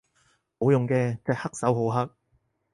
冇用嘅，隻黑手好黑